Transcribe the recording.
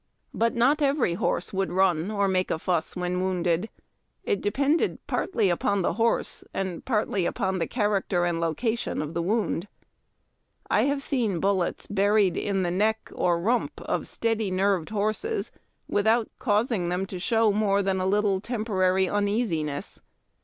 But not every horse would run or make a fuss when wounded. It depended partly upon the horse and partly upon the character and location of the wound. I have seen bullets buried in the neck or rump of steady nerved horses without causing them to show more than a little temporary uneasiness.